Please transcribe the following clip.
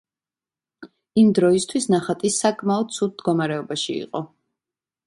იმ დროისთვის, ნახატი საკმაოდ ცუდ მდგომარეობაში იყო.